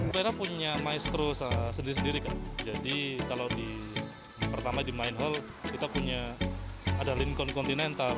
pera punya maestro sendiri sendiri kan jadi kalau pertama di main hall kita punya ada lincon continental